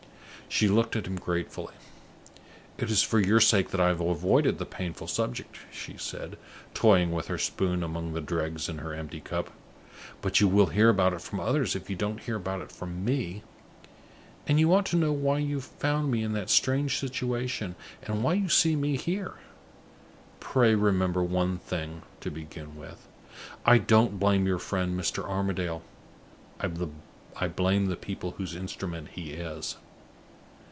She looked at him gratefully. "It is for your sake that I have avoided the painful subject," she said, toying with her spoon among the dregs in her empty cup. "But you will hear about it from others, if you don't hear about it from me; and you ought to know why you found me in that strange situation, and why you see me here. Pray remember one thing, to begin with. I don't blame your friend, Mr. Armadale. I blame the people whose instrument he is."